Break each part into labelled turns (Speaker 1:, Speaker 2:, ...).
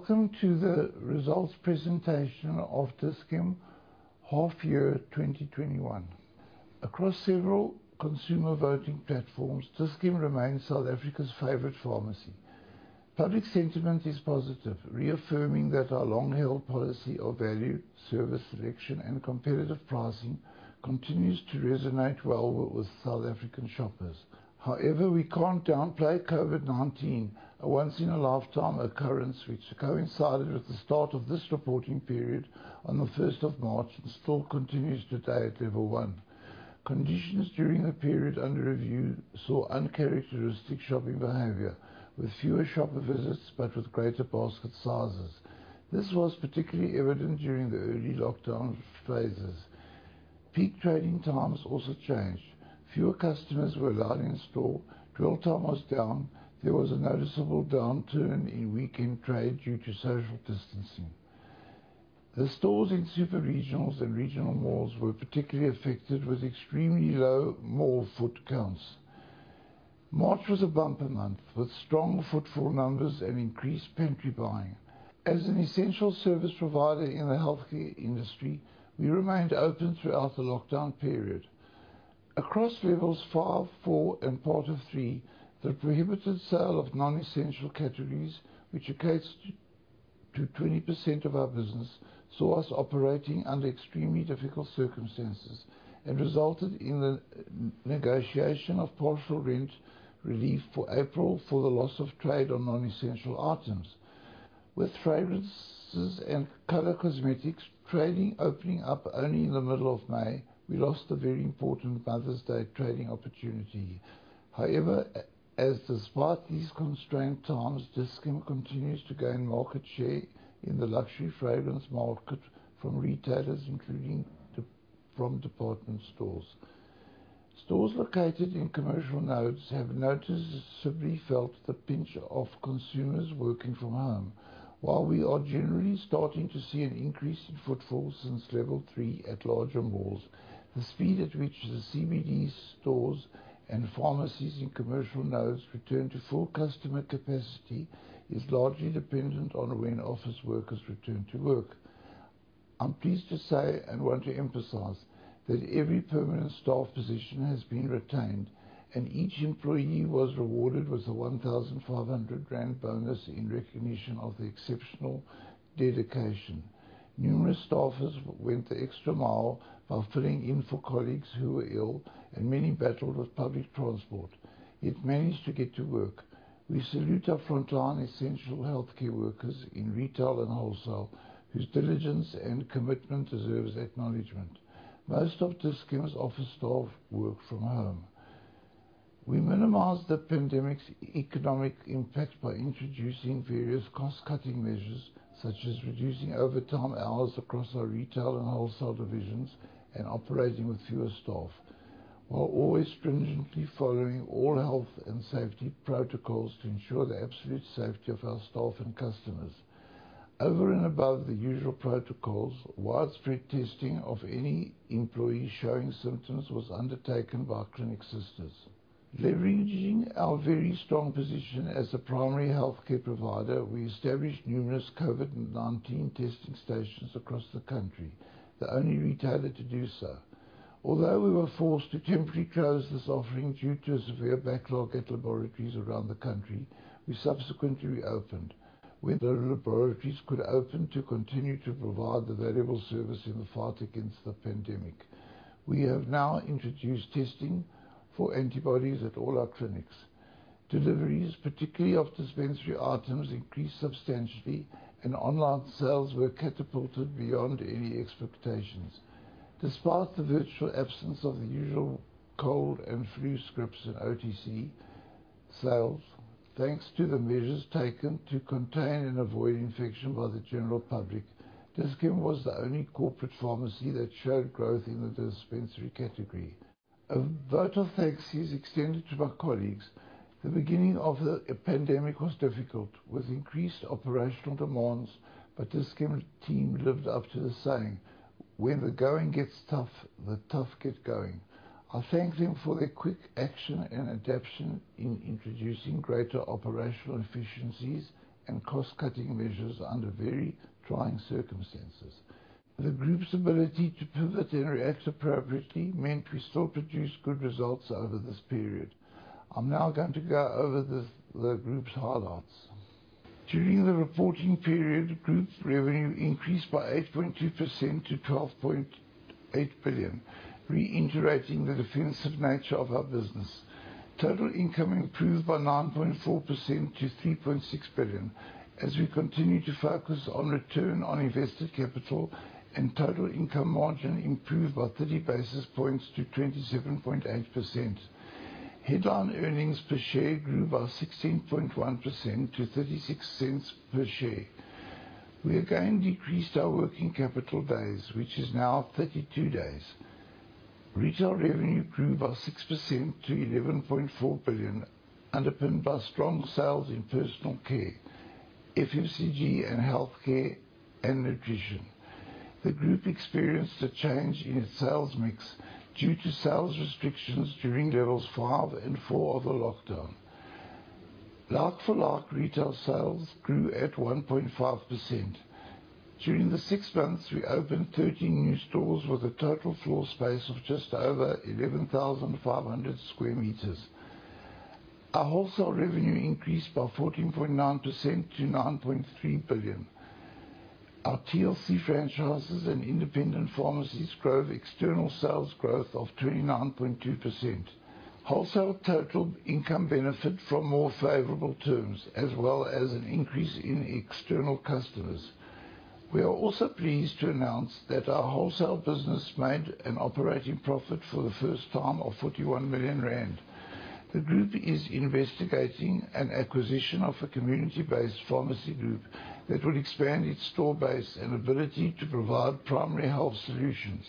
Speaker 1: Welcome to the results presentation of Dis-Chem half year 2021. Across several consumer voting platforms, Dis-Chem remains South Africa's favorite pharmacy. Public sentiment is positive, reaffirming that our long-held policy of value, service, selection, and competitive pricing continues to resonate well with South African shoppers. We can't downplay COVID-19, a once in a lifetime occurrence, which coincided with the start of this reporting period on the 1st March, and still continues today at Level 1. Conditions during the period under review saw uncharacteristic shopping behavior with fewer shopper visits, but with greater basket sizes. This was particularly evident during the early lockdown phases. Peak trading times also changed, fewer customers were allowed in store, dwell time was down. There was a noticeable downturn in weekend trade due to social distancing. The stores in super regionals and regional malls were particularly affected with extremely low mall foot counts. March was a bumper month with strong footfall numbers and increased pantry buying. As an essential service provider in the healthcare industry, we remained open throughout the lockdown period. Across Levels 5, 4, and part of 3, the prohibited sale of non-essential categories, which accounts to 20% of our business, saw us operating under extremely difficult circumstances and resulted in the negotiation of partial rent relief for April for the loss of trade on non-essential items. With fragrances and color cosmetics trading opening up only in the middle of May, we lost a very important Mother's Day trading opportunity. Despite these constrained times, Dis-Chem continues to gain market share in the luxury fragrance market from retailers, including from department stores. Stores located in commercial nodes have noticeably felt the pinch of consumers working from home. While we are generally starting to see an increase in footfall since Level 3 at larger malls, the speed at which the CBD stores and pharmacies in commercial nodes return to full customer capacity is largely dependent on when office workers return to work. I'm pleased to say, and want to emphasize, that every permanent staff position has been retained, and each employee was rewarded with a 1,500 bonus in recognition of their exceptional dedication. Numerous staffers went the extra mile while filling in for colleagues who were ill, and many battled with public transport, yet managed to get to work. We salute our frontline essential healthcare workers in retail and wholesale, whose diligence and commitment deserves acknowledgment. Most of Dis-Chem's office staff work from home. We minimized the pandemic's economic impact by introducing various cost-cutting measures, such as reducing overtime hours across our retail and wholesale divisions and operating with fewer staff, while always stringently following all health and safety protocols to ensure the absolute safety of our staff and customers. Over and above the usual protocols, widespread testing of any employee showing symptoms was undertaken by Clinic Sisters. Leveraging our very strong position as a primary healthcare provider, we established numerous COVID-19 testing stations across the country, the only retailer to do so. Although we were forced to temporarily close this offering due to a severe backlog at laboratories around the country, we subsequently reopened when the laboratories could open to continue to provide the valuable service in the fight against the pandemic. We have now introduced testing for antibodies at all our clinics. Deliveries, particularly of dispensary items, increased substantially, and online sales were catapulted beyond any expectations. Despite the virtual absence of the usual cold and flu scripts and OTC sales, thanks to the measures taken to contain and avoid infection by the general public, Dis-Chem was the only corporate pharmacy that showed growth in the dispensary category. A vote of thanks is extended to my colleagues. The beginning of the pandemic was difficult with increased operational demands, but Dis-Chem team lived up to the saying, "When the going gets tough, the tough get going." I thank them for their quick action and adaption in introducing greater operational efficiencies and cost-cutting measures under very trying circumstances. The group's ability to pivot and react appropriately meant we still produced good results over this period. I'm now going to go over the group's highlights. During the reporting period, group revenue increased by 8.2% to 12.8 billion, reiterating the defensive nature of our business. Total income improved by 9.4% to 3.6 billion, as we continue to focus on return on invested capital, and total income margin improved by 30 basis points to 27.8%. Headline earnings per share grew by 16.1% to 0.36 per share. We again decreased our working capital days, which is now 32 days. Retail revenue grew by 6% to 11.4 billion, underpinned by strong sales in personal care, FMCG, and healthcare and nutrition. The group experienced a change in its sales mix due to sales restrictions during Levels 5 and 4 of the lockdown. Like-for-like retail sales grew at 1.5%. During the six months, we opened 13 new stores with a total floor space of just over 11,500 sq m. Our wholesale revenue increased by 14.9% to 9.3 billion. Our TLC franchises and independent pharmacies drove external sales growth of 29.2%. Wholesale total income benefit from more favorable terms, as well as an increase in external customers. We are also pleased to announce that our wholesale business made an operating profit for the first time of 41 million rand. The group is investigating an acquisition of a community-based pharmacy group that will expand its store base and ability to provide primary health solutions.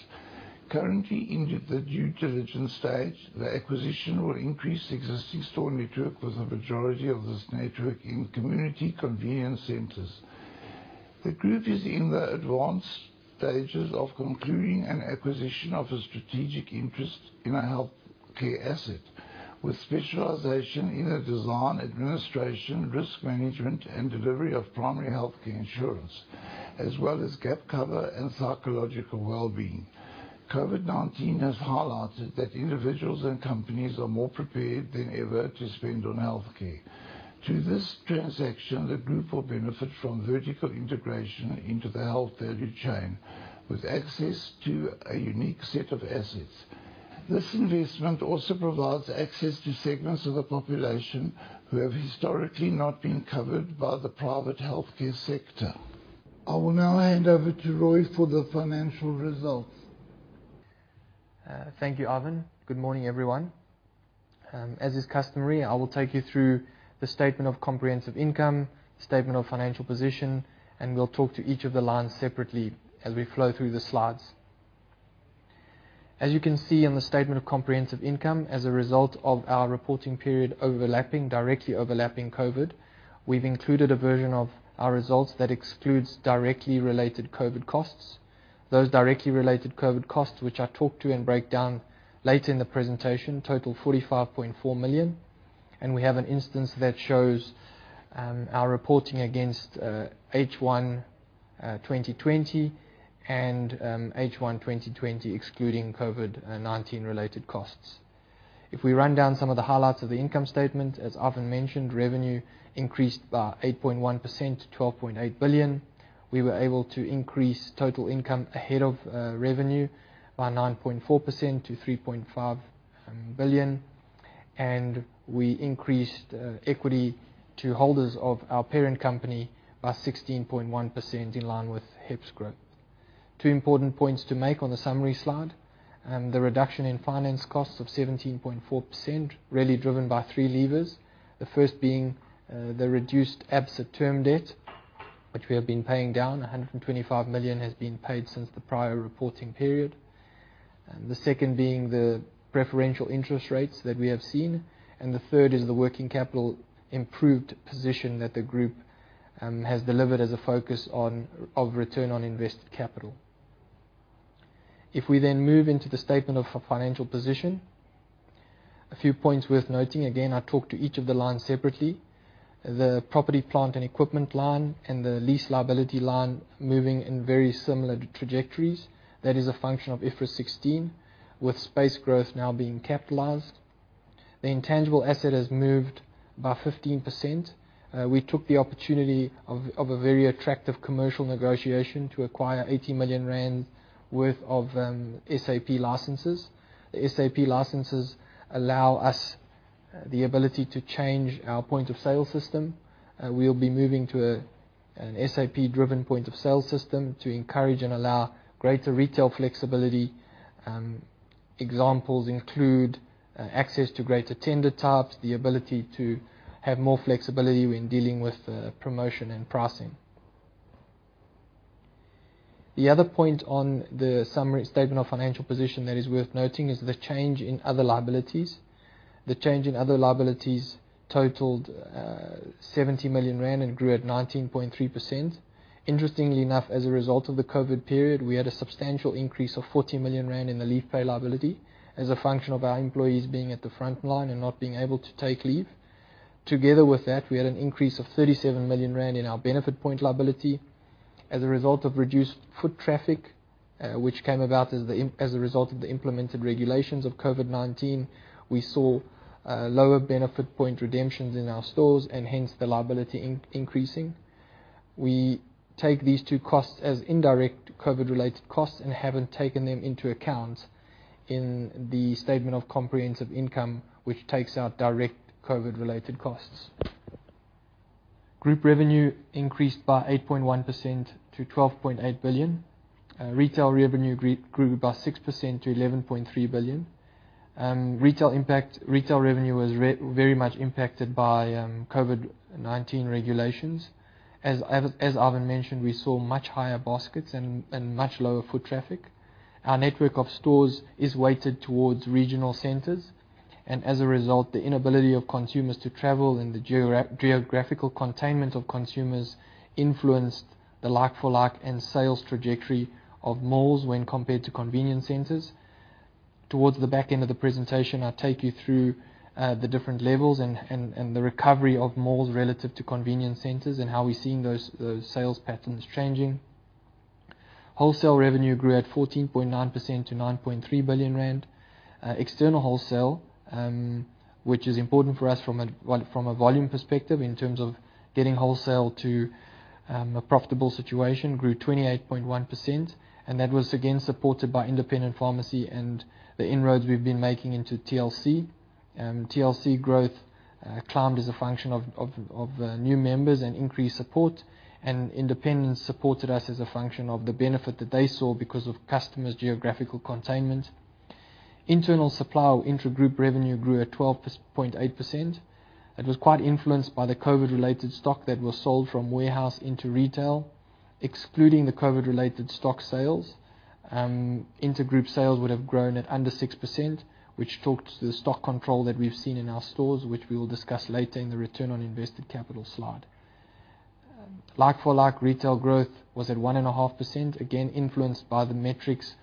Speaker 1: Currently in the due diligence stage, the acquisition will increase existing store network with the majority of this network in community convenience centers. The group is in the advanced stages of concluding an acquisition of a strategic interest in a healthcare asset, with specialization in the design, administration, risk management, and delivery of primary healthcare insurance, as well as gap cover and psychological well-being. COVID-19 has highlighted that individuals and companies are more prepared than ever to spend on healthcare. Through this transaction, the group will benefit from vertical integration into the health value chain with access to a unique set of assets. This investment also provides access to segments of the population who have historically not been covered by the private healthcare sector. I will now hand over to Rui for the financial results.
Speaker 2: Thank you, Ivan. Good morning, everyone. As is customary, I will take you through the statement of comprehensive income, statement of financial position, and we'll talk to each of the lines separately as we flow through the slides. As you can see in the statement of comprehensive income, as a result of our reporting period overlapping, directly overlapping COVID, we've included a version of our results that excludes directly related COVID costs. Those directly related COVID costs, which I talk to and break down later in the presentation, total 45.4 million, and we have an instance that shows our reporting against H1 2020 and H1 2020 excluding COVID-19 related costs. If we run down some of the highlights of the income statement, as Ivan mentioned, revenue increased by 8.1% to 12.8 billion. We were able to increase total income ahead of revenue by 9.4% to 3.5 billion. We increased equity to holders of our parent company by 16.1% in line with HEPS growth. Two important points to make on the summary slide, the reduction in finance costs of 17.4%, really driven by three levers. The first being the reduced absolute term debt, which we have been paying down, 125 million has been paid since the prior reporting period. The second being the preferential interest rates that we have seen. The third is the working capital improved position that the group has delivered as a focus of return on invested capital. We then move into the statement of financial position, a few points worth noting. Again, I talk to each of the lines separately. The property, plant, and equipment line and the lease liability line moving in very similar trajectories. That is a function of IFRS 16, with space growth now being capitalized. The intangible asset has moved by 15%. We took the opportunity of a very attractive commercial negotiation to acquire 80 million rand worth of SAP licenses. The SAP licenses allow us the ability to change our point of sale system. We'll be moving to an SAP-driven point of sale system to encourage and allow greater retail flexibility. Examples include access to greater tender types, the ability to have more flexibility when dealing with promotion and pricing. The other point on the summary statement of financial position that is worth noting is the change in other liabilities. The change in other liabilities totaled 70 million rand and grew at 19.3%. Interestingly enough, as a result of the COVID period, we had a substantial increase of 40 million rand in the leave pay liability as a function of our employees being at the front line and not being able to take leave. Together with that, we had an increase of 37 million rand in our Benefit point liability as a result of reduced foot traffic, which came about as a result of the implemented regulations of COVID-19. We saw lower Benefit point redemptions in our stores and hence the liability increasing. We take these two costs as indirect COVID related costs and haven't taken them into account in the statement of comprehensive income, which takes out direct COVID related costs. Group revenue increased by 8.1% to 12.8 billion. Retail revenue grew by 6% to 11.3 billion. Retail revenue was very much impacted by COVID-19 regulations. As Ivan mentioned, we saw much higher baskets and much lower foot traffic. Our network of stores is weighted towards regional centers. As a result, the inability of consumers to travel and the geographical containment of consumers influenced the like-for-like and sales trajectory of malls when compared to convenience centers. Towards the back end of the presentation, I'll take you through the different levels and the recovery of malls relative to convenience centers, and how we're seeing those sales patterns changing. Wholesale revenue grew at 14.9% to 9.3 billion rand. External wholesale, which is important for us from a volume perspective in terms of getting wholesale to a profitable situation, grew 28.1%. That was again supported by independent pharmacy and the inroads we've been making into TLC. TLC growth climbed as a function of new members and increased support, and independents supported us as a function of the benefit that they saw because of customers' geographical containment. Internal supply or intragroup revenue grew at 12.8%. It was quite influenced by the COVID related stock that was sold from warehouse into retail. Excluding the COVID related stock sales, intragroup sales would have grown at under 6%, which talks to the stock control that we've seen in our stores, which we will discuss later in the return on invested capital slide. Like-for-like retail growth was at 1.5%, again influenced by the metrics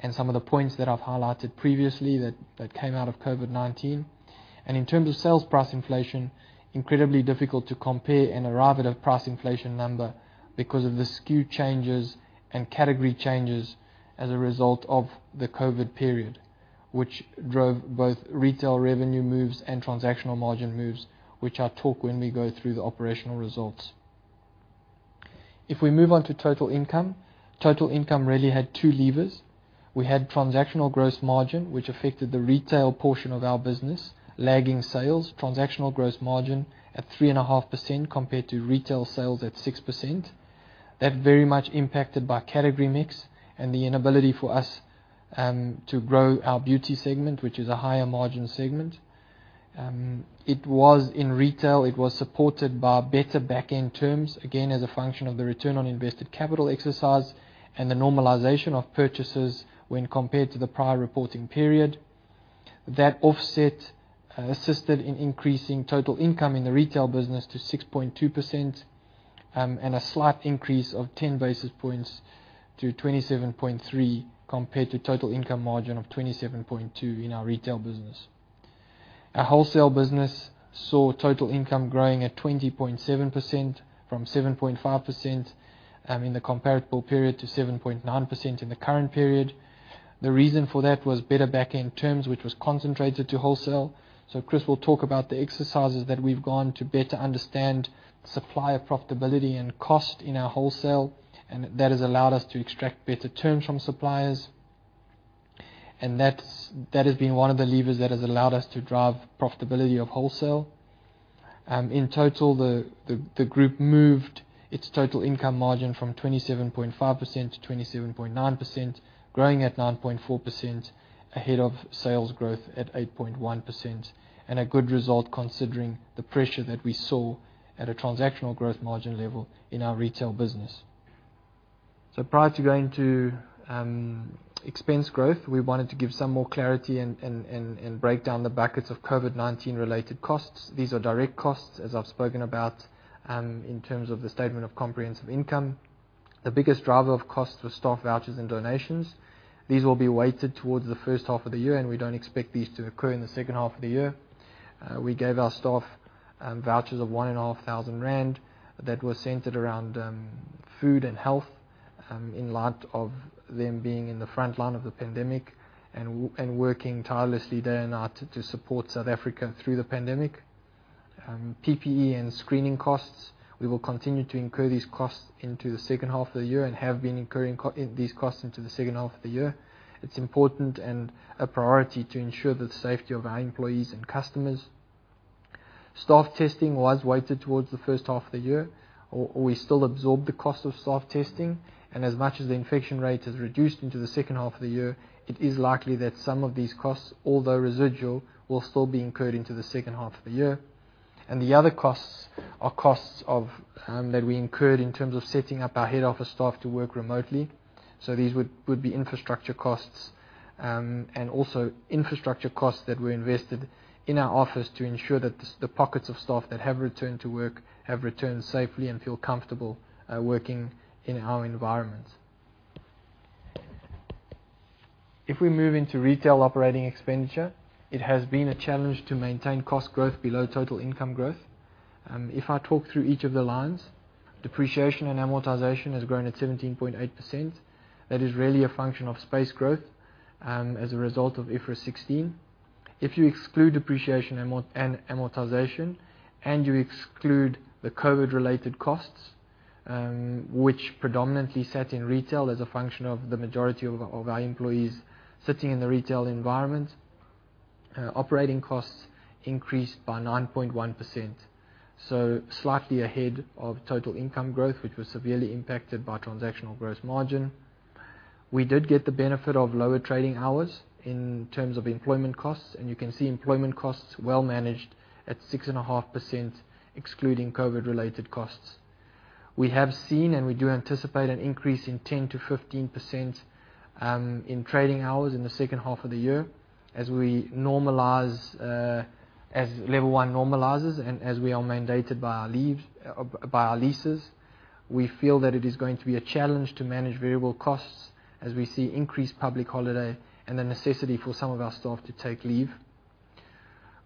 Speaker 2: and some of the points that I've highlighted previously that came out of COVID-19. In terms of sales price inflation, incredibly difficult to compare and arrive at a price inflation number because of the SKU changes and category changes as a result of the COVID period, which drove both retail revenue moves and transactional margin moves, which I talk when we go through the operational results. If we move on to total income, total income really had two levers. We had transactional gross margin, which affected the retail portion of our business, lagging sales, transactional gross margin at 3.5% compared to retail sales at 6%. That very much impacted by category mix and the inability for us to grow our beauty segment, which is a higher margin segment. It was in retail, it was supported by better back end terms, again, as a function of the return on invested capital exercise and the normalization of purchases when compared to the prior reporting period. That offset assisted in increasing total income in the retail business to 6.2%, and a slight increase of 10 basis points to 27.3% compared to total income margin of 27.2% in our retail business. Our wholesale business saw total income growing at 20.7%, from 7.5% in the comparable period to 7.9% in the current period. The reason for that was better back end terms, which was concentrated to wholesale. Chris will talk about the exercises that we've gone to better understand supplier profitability and cost in our wholesale, and that has allowed us to extract better terms from suppliers. That has been one of the levers that has allowed us to drive profitability of wholesale. In total, the group moved its total income margin from 27.5%-27.9%, growing at 9.4% ahead of sales growth at 8.1%, and a good result considering the pressure that we saw at a transactional growth margin level in our retail business. Prior to going to expense growth, we wanted to give some more clarity and break down the brackets of COVID-19 related costs. These are direct costs, as I've spoken about, in terms of the statement of comprehensive income. The biggest driver of cost was staff vouchers and donations. These will be weighted towards the first half of the year, and we don't expect these to occur in the second half of the year. We gave our staff vouchers of one and a half thousand ZAR that were centered around food and health, in light of them being in the front line of the pandemic and working tirelessly day and night to support South Africa through the pandemic. PPE and screening costs, we will continue to incur these costs into the second half of the year and have been incurring these costs into the second half of the year. It's important and a priority to ensure the safety of our employees and customers. Staff testing was weighted towards the first half of the year. We still absorb the cost of staff testing, as much as the infection rate has reduced into the second half of the year, it is likely that some of these costs, although residual, will still be incurred into the second half of the year. The other costs are costs that we incurred in terms of setting up our head office staff to work remotely. These would be infrastructure costs. Also infrastructure costs that were invested in our office to ensure that the pockets of staff that have returned to work have returned safely and feel comfortable working in our environment. If we move into retail operating expenditure, it has been a challenge to maintain cost growth below total income growth. If I talk through each of the lines, depreciation and amortization has grown at 17.8%. That is really a function of space growth as a result of IFRS 16. If you exclude depreciation and amortization and you exclude the COVID related costs, which predominantly sat in retail as a function of the majority of our employees sitting in the retail environment, operating costs increased by 9.1%. Slightly ahead of total income growth, which was severely impacted by transactional gross margin. We did get the benefit of lower trading hours in terms of employment costs, and you can see employment costs well managed at 6.5%, excluding COVID related costs. We have seen, and we do anticipate an increase in 10%-15% in trading hours in the second half of the year as Level 1 normalizes and as we are mandated by our leases. We feel that it is going to be a challenge to manage variable costs as we see increased public holiday and the necessity for some of our staff to take leave.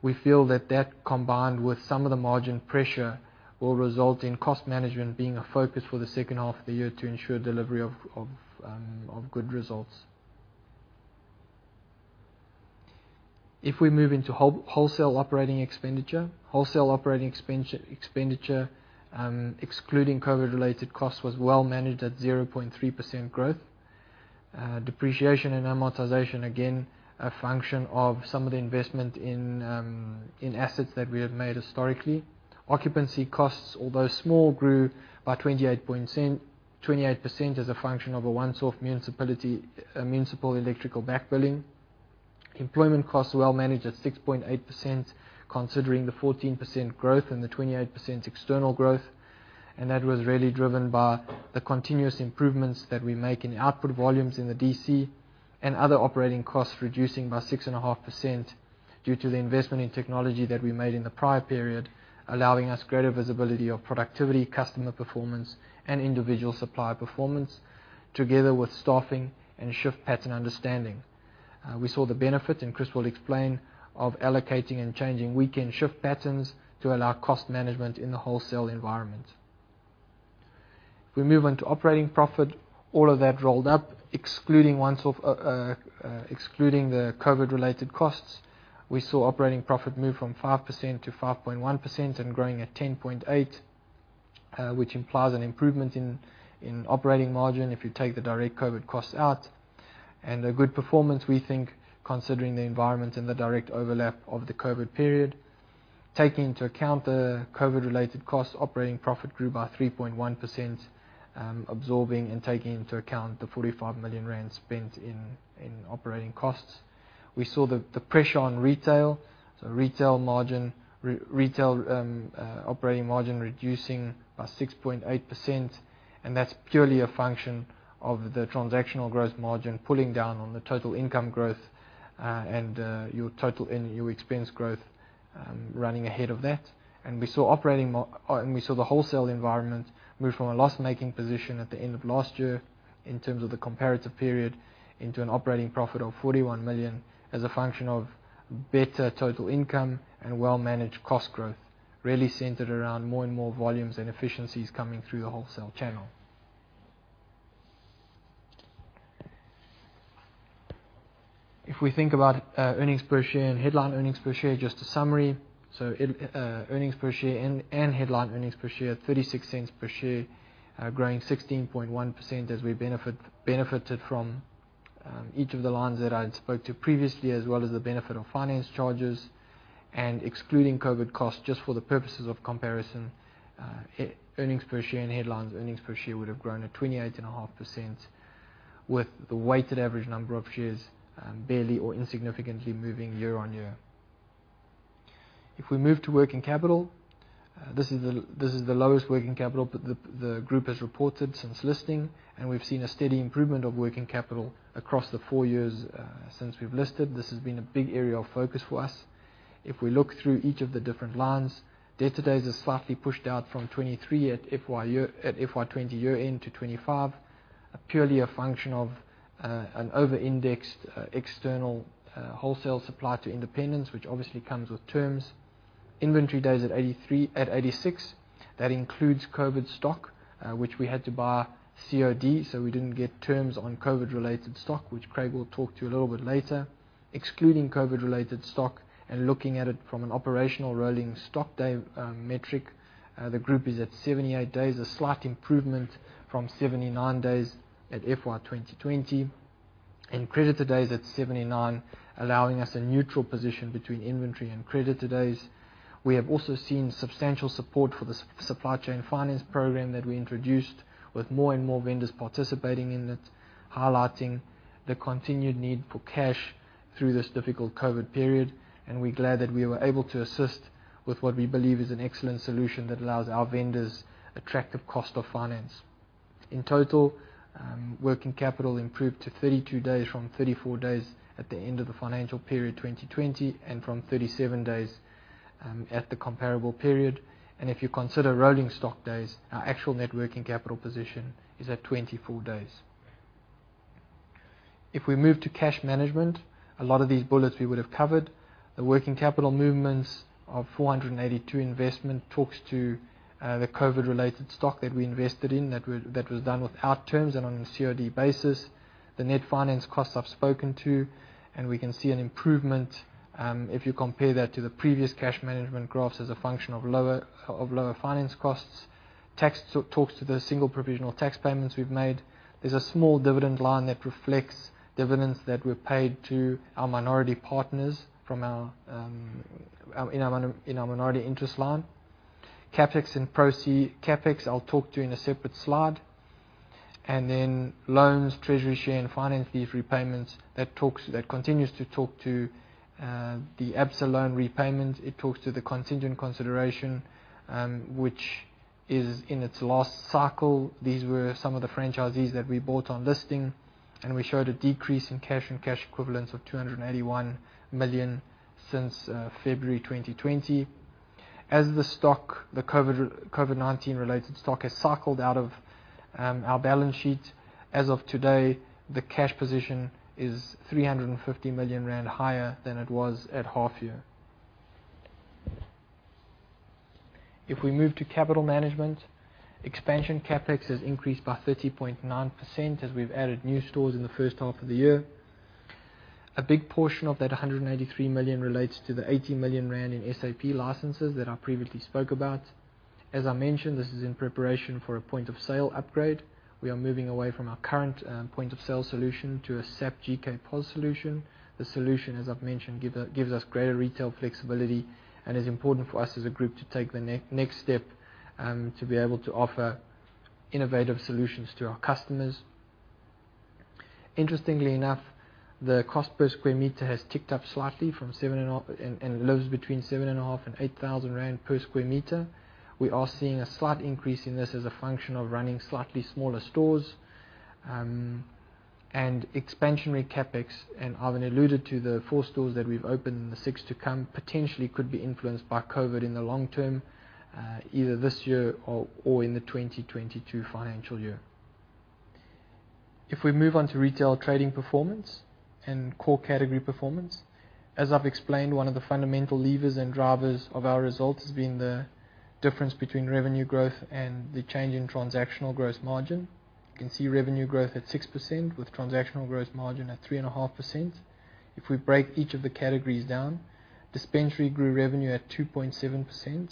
Speaker 2: We feel that that, combined with some of the margin pressure, will result in cost management being a focus for the second half of the year to ensure delivery of good results. If we move into wholesale operating expenditure. Wholesale operating expenditure, excluding COVID related costs, was well managed at 0.3% growth. Depreciation and amortization, again, a function of some of the investment in assets that we have made historically. Occupancy costs, although small, grew by 28% as a function of a once-off municipal electrical back billing. Employment costs, well managed at 6.8%, considering the 14% growth and the 28% external growth. That was really driven by the continuous improvements that we make in output volumes in the DC and other operating costs reducing by 6.5% due to the investment in technology that we made in the prior period, allowing us greater visibility of productivity, customer performance, and individual supplier performance, together with staffing and shift pattern understanding. We saw the benefit, and Chris will explain, of allocating and changing weekend shift patterns to allow cost management in the wholesale environment. If we move on to operating profit, all of that rolled up, excluding the COVID related costs. We saw operating profit move from 5%-5.1% and growing at 10.8%, which implies an improvement in operating margin if you take the direct COVID costs out. A good performance, we think, considering the environment and the direct overlap of the COVID period. Taking into account the COVID related costs, operating profit grew by 3.1%, absorbing and taking into account the 45 million rand spent in operating costs. We saw the pressure on retail. Retail operating margin reducing by 6.8%, and that's purely a function of the transactional growth margin pulling down on the total income growth and your expense growth running ahead of that. We saw the wholesale environment move from a loss-making position at the end of last year in terms of the comparative period into an operating profit of 41 million as a function of better total income and well-managed cost growth, really centered around more and more volumes and efficiencies coming through the wholesale channel. If we think about earnings per share and headline earnings per share, just a summary. Earnings per share and headline earnings per share, 0.36 per share, growing 16.1% as we benefited from each of the lines that I spoke to previously, as well as the benefit of finance charges. Excluding COVID costs just for the purposes of comparison, earnings per share and headline earnings per share would have grown at 28.5% with the weighted average number of shares barely or insignificantly moving year-on-year. We move to working capital, this is the lowest working capital the group has reported since listing, and we've seen a steady improvement of working capital across the four years since we've listed. This has been a big area of focus for us. We look through each of the different lines, debtor days is slightly pushed out from 23 at FY 2020 year-end to 25, purely a function of an over-indexed external wholesale supply to independents, which obviously comes with terms. Inventory days at 86, that includes COVID stock, which we had to buy COD, so we didn't get terms on COVID related stock, which Craig will talk to you a little bit later. Excluding COVID related stock and looking at it from an operational rolling stock day metric, the group is at 78 days, a slight improvement from 79 days at FY 2020. Creditor days at 79, allowing us a neutral position between inventory and creditor days. We have also seen substantial support for the supply chain finance program that we introduced with more and more vendors participating in it, highlighting the continued need for cash through this difficult COVID period. We're glad that we were able to assist with what we believe is an excellent solution that allows our vendors attractive cost of finance. In total, working capital improved to 32 days from 34 days at the end of the financial period 2020 and from 37 days at the comparable period. If you consider rolling stock days, our actual net working capital position is at 24 days. If we move to cash management, a lot of these bullets we would have covered. The working capital movements of 482 investment talks to the COVID related stock that we invested in that was done without terms and on a COD basis. The net finance costs I've spoken to, we can see an improvement, and if you compare that to the previous cash management graphs as a function of lower finance costs tax to the single provisional tax payments we've made, there's a small dividend line that reflects dividends that were paid to our minority partners in our minority interest line. CapEx I'll talk to in a separate slide. Loans, treasury share and finance lease repayments, that continues to talk to the Absa loan repayments, it talks to the contingent consideration, which is in its last cycle. These were some of the franchisees that we bought on listing, and we showed a decrease in cash and cash equivalents of 281 million since February 2020. As the stock, the COVID-19 related stock, has cycled out of our balance sheet, as of today, the cash position is 350 million rand higher than it was at half year. If we move to capital management, expansion CapEx has increased by 30.9% as we've added new stores in the first half of the year. A big portion of that 183 million relates to the 80 million rand in SAP licenses that I previously spoke about. As I mentioned, this is in preparation for a point of sale upgrade. We are moving away from our current point of sale solution to a SAP GK POS solution. The solution, as I've mentioned, gives us greater retail flexibility and is important for us as a group to take the next step to be able to offer innovative solutions to our customers. Interestingly enough, the cost per square meter has ticked up slightly and lives between 7, 5000 and 8,000 rand per square meter. We are seeing a slight increase in this as a function of running slightly smaller stores and expansionary CapEx. Ivan alluded to the four stores that we've opened, and the six to come potentially could be influenced by COVID in the long term, either this year or in the 2022 financial year. If we move on to retail trading performance and core category performance, as I've explained, one of the fundamental levers and drivers of our results has been the difference between revenue growth and the change in transactional gross margin. You can see revenue growth at 6% with transactional gross margin at 3.5%. If we break each of the categories down, dispensary grew revenue at 2.7%.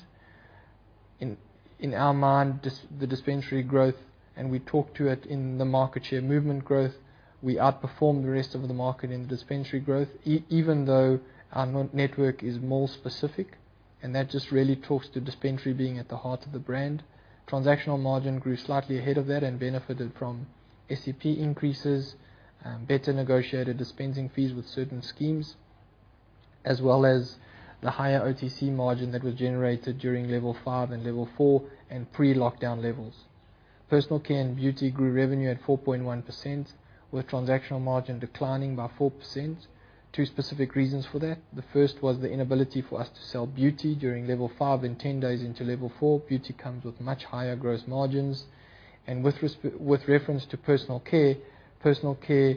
Speaker 2: In our mind, the dispensary growth, and we talk to it in the market share movement growth, we outperformed the rest of the market in dispensary growth, even though our network is mall specific, and that just really talks to dispensary being at the heart of the brand. Transactional margin grew slightly ahead of that and benefited from SEP increases, better negotiated dispensing fees with certain schemes, as well as the higher OTC margin that was generated during Level 5 and Level 4 and pre-lockdown levels. Personal care and beauty grew revenue at 4.1%, with transactional margin declining by 4%. Two specific reasons for that. The first was the inability for us to sell beauty during Level 5 and 10 days into Level 4. Beauty comes with much higher gross margins. With reference to personal care, personal care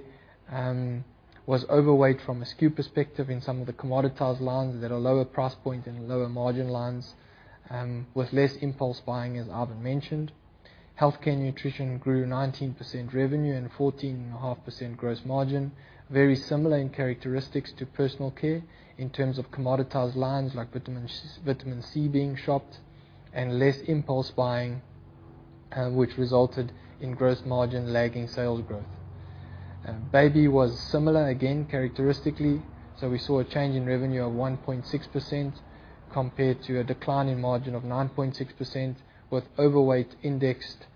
Speaker 2: was overweight from a SKU perspective in some of the commoditized lines that are lower price point and lower margin lines with less impulse buying, as Ivan mentioned. Healthcare and nutrition grew 19% revenue and 14.5% gross margin. Very similar in characteristics to personal care in terms of commoditized lines like vitamin C being shopped and less impulse buying, which resulted in gross margin lagging sales growth. Baby was similar again characteristically. We saw a change in revenue of 1.6% compared to a decline in margin of 9.6% with overweight indexed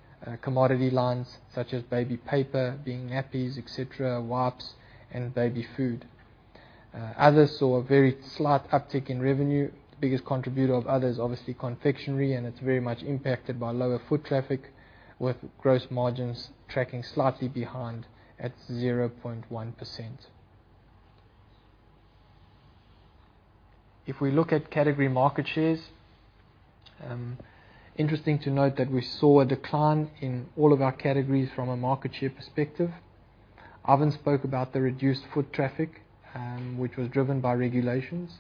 Speaker 2: commodity lines such as baby paper being nappies, et cetera, wipes, and baby food. Others saw a very slight uptick in revenue. The biggest contributor of others, obviously, confectionery, it's very much impacted by lower foot traffic, with gross margins tracking slightly behind at 0.1%. If we look at category market shares, interesting to note that we saw a decline in all of our categories from a market share perspective. Ivan spoke about the reduced foot traffic, which was driven by regulations.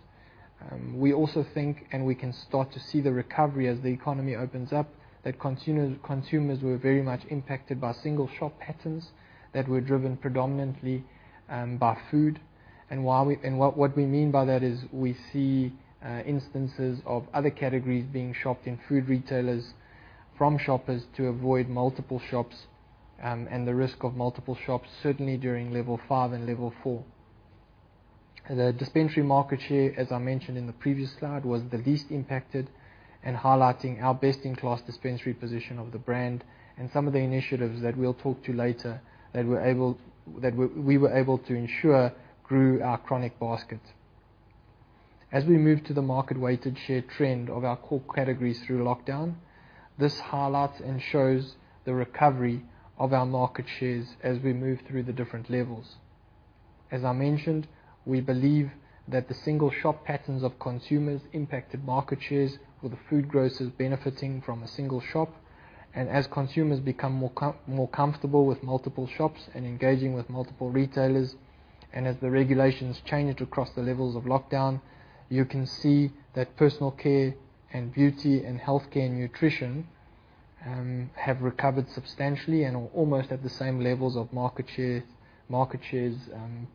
Speaker 2: We also think, and we can start to see the recovery as the economy opens up, that consumers were very much impacted by single shop patterns that were driven predominantly by food. What we mean by that is we see instances of other categories being shopped in food retailers from shoppers to avoid multiple shops and the risk of multiple shops, certainly during Level 5 and Level 4. The dispensary market share, as I mentioned in the previous slide, was the least impacted and highlighting our best-in-class dispensary position of the brand and some of the initiatives that we'll talk to later that we were able to ensure grew our chronic basket. As we move to the market weighted share trend of our core categories through lockdown, this highlights and shows the recovery of our market shares as we move through the different levels. As I mentioned, we believe that the single shop patterns of consumers impacted market shares with the food grocers benefiting from a single shop. As consumers become more comfortable with multiple shops and engaging with multiple retailers, and as the regulations changed across the levels of lockdown. You can see that personal care and beauty and healthcare and nutrition have recovered substantially and are almost at the same levels of market shares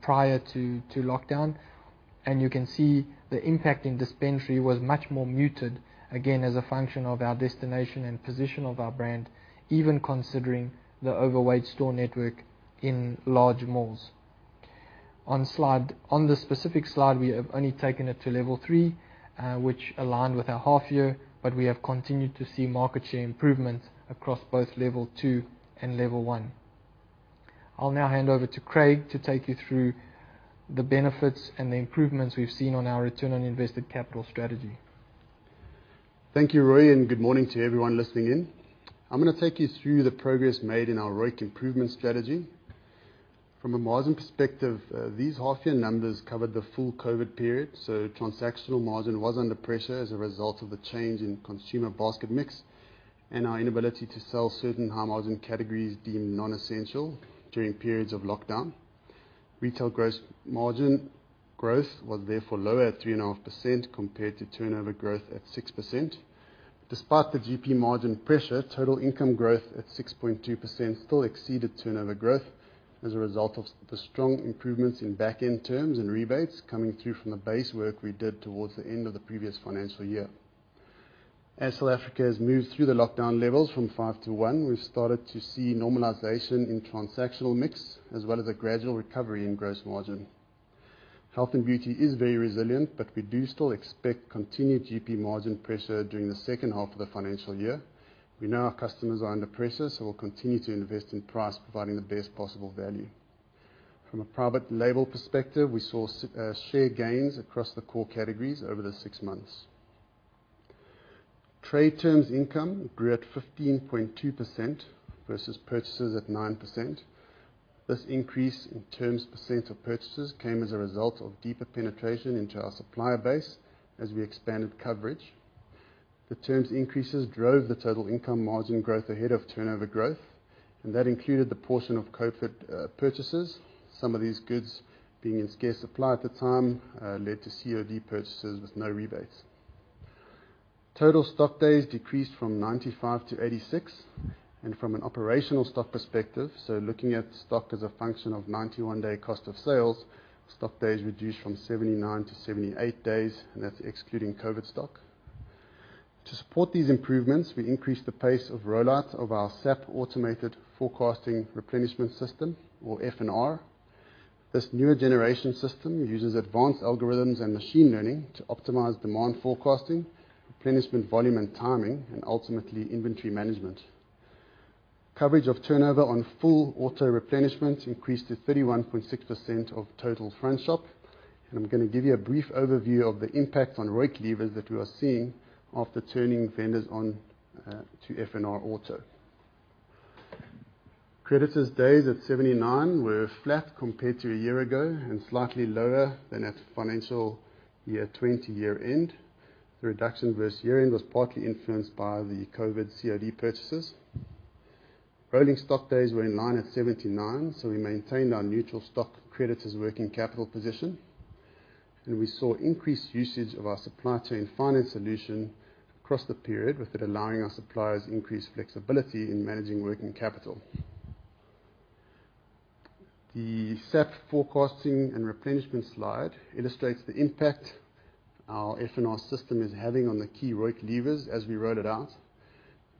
Speaker 2: prior to lockdown. You can see the impact in dispensary was much more muted, again, as a function of our destination and position of our brand, even considering the overweight store network in large malls. On this specific slide, we have only taken it to Level 3, which aligned with our half year, but we have continued to see market share improvements across both Level 2 and Level 1. I'll now hand over to Craig to take you through the benefits and the improvements we've seen on our Return on Invested Capital Strategy.
Speaker 3: Thank you, Rui. Good morning to everyone listening in. I'm going to take you through the progress made in our ROIC improvement strategy. From a margin perspective, these half year numbers covered the full COVID period, so transactional margin was under pressure as a result of the change in consumer basket mix and our inability to sell certain high-margin categories deemed non-essential during periods of lockdown. Retail gross margin growth was therefore lower at 3.5% compared to turnover growth at 6%. Despite the GP margin pressure, total income growth at 6.2% still exceeded turnover growth as a result of the strong improvements in back end terms and rebates coming through from the base work we did towards the end of the previous financial year. As South Africa has moved through the lockdown levels from 5 to 1, we've started to see normalization in transactional mix, as well as a gradual recovery in gross margin. We do still expect continued GP margin pressure during the second half of the financial year. We know our customers are under pressure, we'll continue to invest in price, providing the best possible value. From a private label perspective, we saw share gains across the core categories over the six months. Trade terms income grew at 15.2% versus purchases at 9%. This increase in terms percent of purchases came as a result of deeper penetration into our supplier base as we expanded coverage. The terms increases drove the total income margin growth ahead of turnover growth, that included the portion of COVID purchases. Some of these goods being in scarce supply at the time led to COD purchases with no rebates. Total stock days decreased from 95-86. From an operational stock perspective, so looking at stock as a function of 91-day cost of sales, stock days reduced from 79-78 days, and that's excluding COVID stock. To support these improvements, we increased the pace of rollout of our SAP automated forecasting replenishment system, or F&R. This newer generation system uses advanced algorithms and machine learning to optimize demand forecasting, replenishment volume and timing, and ultimately, inventory management. Coverage of turnover on full auto replenishment increased to 31.6% of total front shop. I'm going to give you a brief overview of the impact on ROIC levers that we are seeing after turning vendors on to F&R Auto. Creditors days at 79 were flat compared to a year ago and slightly lower than at financial year 2020 year-end. The reduction versus year-end was partly influenced by the COVID COD purchases. Rolling stock days were in line at 79, so we maintained our neutral stock creditors working capital position, and we saw increased usage of our supply chain finance solution across the period, with it allowing our suppliers increased flexibility in managing working capital. The SAP Forecasting and Replenishment slide illustrates the impact our F&R system is having on the key ROIC levers as we roll it out.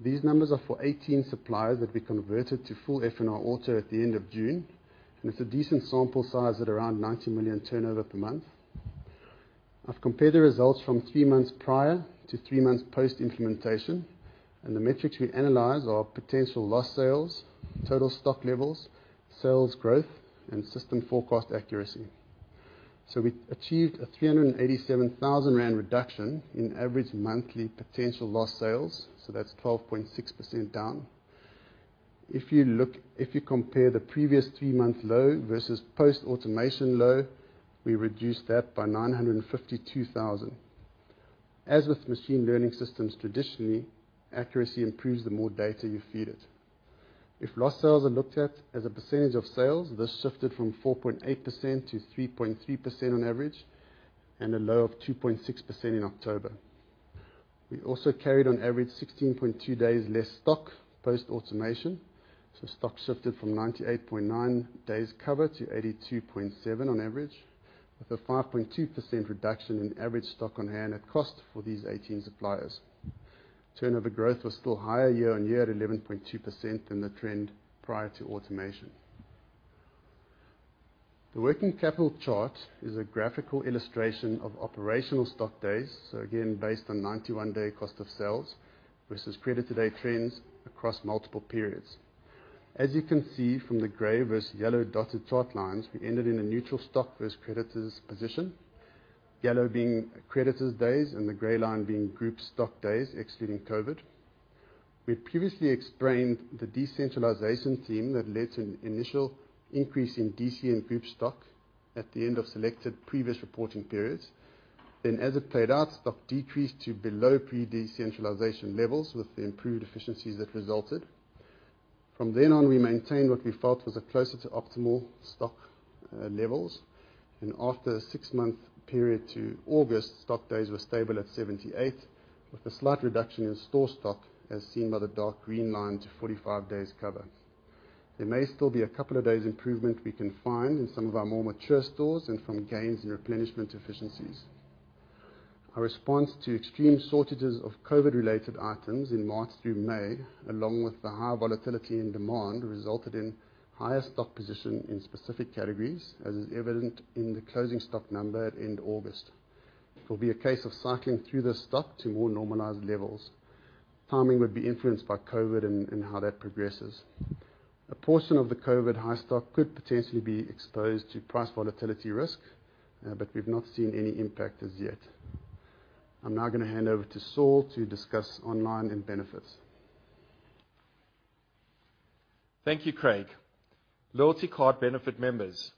Speaker 3: These numbers are for 18 suppliers that we converted to full F&R Auto at the end of June, and it's a decent sample size at around 90 million turnover per month. I've compared the results from three months prior to three months post-implementation. The metrics we analyze are potential lost sales, total stock levels, sales growth, and system forecast accuracy. We achieved a 387,000 rand reduction in average monthly potential lost sales, that's 12.6% down. If you compare the previous three-month low versus post-automation low, we reduced that by 952,000. As with machine learning systems traditionally, accuracy improves the more data you feed it. If lost sales are looked at as a percentage of sales, this shifted from 4.8%-3.3% on average, and a low of 2.6% in October. We also carried on average 16.2 days less stock post-automation. Stock shifted from 98.9 days cover to 82.7 on average, with a 5.2% reduction in average stock on hand at cost for these 18 suppliers. Turnover growth was still higher year-on-year at 11.2% than the trend prior to automation. The working capital chart is a graphical illustration of operational stock days. Again, based on 91-day cost of sales versus creditor day trends across multiple periods. As you can see from the gray versus yellow dotted chart lines, we ended in a neutral stock versus creditors position, yellow being creditors days and the gray line being group stock days excluding COVID. We previously explained the decentralization theme that led to an initial increase in DC and group stock at the end of selected previous reporting periods. As it played out, stock decreased to below pre-decentralization levels with the improved efficiencies that resulted. From then on, we maintained what we felt was a closer to optimal stock levels, and after a six-month period to August, stock days were stable at 78, with a slight reduction in store stock as seen by the dark green line to 45 days cover. There may still be a couple of days improvement we can find in some of our more mature stores and from gains in replenishment efficiencies. Our response to extreme shortages of COVID related items in March through May, along with the high volatility in demand, resulted in higher stock position in specific categories, as is evident in the closing stock number at end August. It will be a case of cycling through the stock to more normalized levels. Timing would be influenced by COVID and how that progresses. A portion of the COVID high stock could potentially be exposed to price volatility risk, but we've not seen any impact as yet. I'm now going to hand over to Saul to discuss online and benefits.
Speaker 4: Thank you, Craig. Loyalty card Benefit members.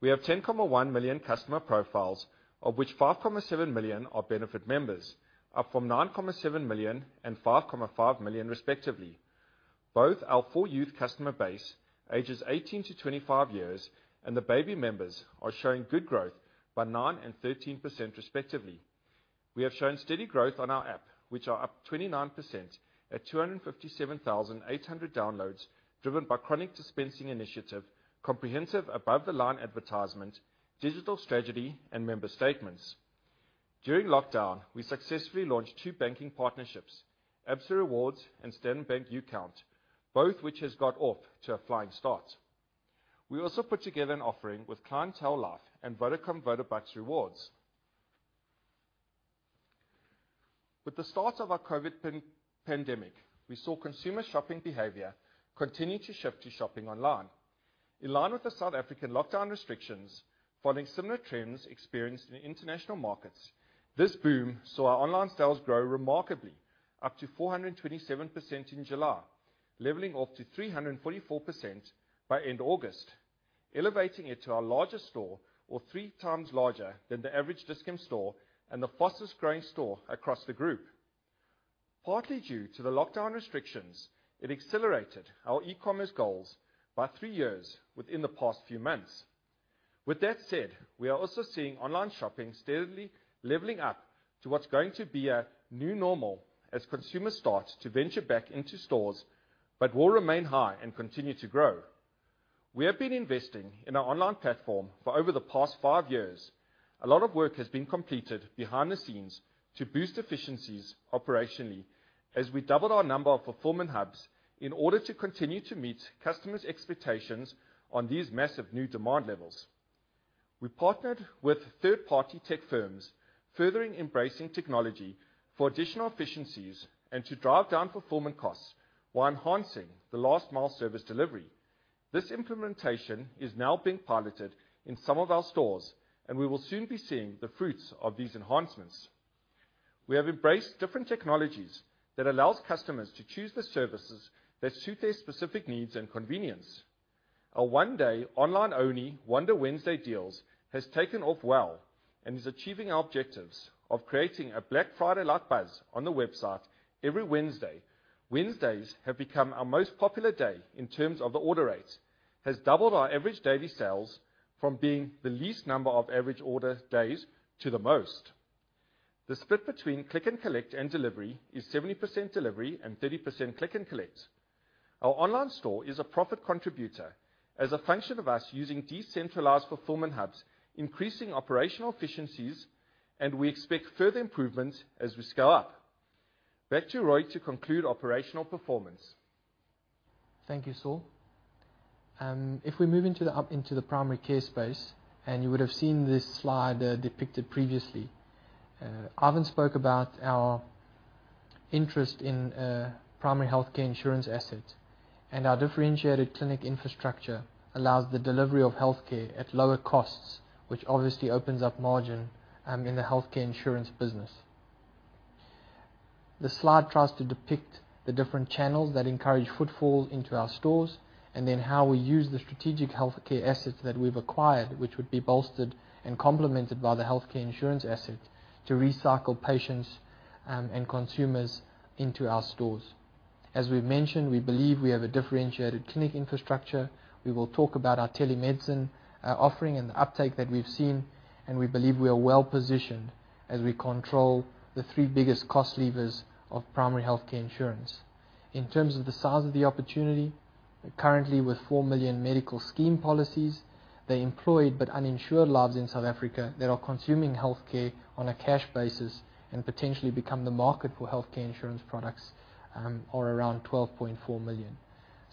Speaker 4: We have 10.1 million customer profiles, of which 5.7 million are Benefit members, up from 9.7 million and 5.5 million respectively. Both our full youth customer base, ages 18 to 25 years, and the Baby members are showing good growth by 9% and 13% respectively. We have shown steady growth on our app, which are up 29% at 257,800 downloads, driven by Chronic Dispensing Initiative, comprehensive above-the-line advertisement, digital strategy, and member statements. During lockdown, we successfully launched two banking partnerships, Absa Rewards and Standard Bank UCount, both which has got off to a flying start. We also put together an offering with Dis-Chem Life and Vodacom VodaBucks Rewards. With the start of our COVID pandemic, we saw consumer shopping behavior continue to shift to shopping online. In line with the South African lockdown restrictions, following similar trends experienced in international markets, this boom saw our online sales grow remarkably up to 427% in July, leveling off to 344% by end August, elevating it to our largest store or three times larger than the average Dis-Chem store and the fastest growing store across the group. Partly due to the lockdown restrictions, it accelerated our e-commerce goals by three years within the past few months. With that said, we are also seeing online shopping steadily leveling up to what's going to be a new normal as consumers start to venture back into stores, but will remain high and continue to grow. We have been investing in our online platform for over the past five years. A lot of work has been completed behind the scenes to boost efficiencies operationally as we doubled our number of fulfillment hubs in order to continue to meet customers' expectations on these massive new demand levels. We partnered with third-party tech firms, furthering embracing technology for additional efficiencies and to drive down fulfillment costs while enhancing the last mile service delivery. This implementation is now being piloted in some of our stores, and we will soon be seeing the fruits of these enhancements. We have embraced different technologies that allows customers to choose the services that suit their specific needs and convenience. A one-day online-only Wonder Wednesday deals has taken off well and is achieving our objectives of creating a Black Friday-like buzz on the website every Wednesday. Wednesdays have become our most popular day in terms of the order rates, has doubled our average daily sales from being the least number of average order days to the most. The split between click and collect and delivery is 70% delivery and 30% click and collect. Our online store is a profit contributor as a function of us using decentralized fulfillment hubs, increasing operational efficiencies, and we expect further improvements as we scale up. Back to Rui to conclude operational performance.
Speaker 2: Thank you, Saul. If we move into the primary care space, and you would have seen this slide depicted previously. Ivan spoke about our interest in primary healthcare insurance assets, and our differentiated clinic infrastructure allows the delivery of healthcare at lower costs, which obviously opens up margin in the healthcare insurance business. The slide tries to depict the different channels that encourage footfall into our stores, and then how we use the strategic healthcare assets that we've acquired, which would be bolstered and complemented by the healthcare insurance asset, to recycle patients and consumers into our stores. As we've mentioned, we believe we have a differentiated clinic infrastructure. We will talk about our telemedicine offering and the uptake that we've seen, and we believe we are well-positioned as we control the three biggest cost levers of primary healthcare insurance. In terms of the size of the opportunity, currently with 4 million medical scheme policies, the employed but uninsured lives in South Africa that are consuming healthcare on a cash basis and potentially become the market for healthcare insurance products are around 12.4 million.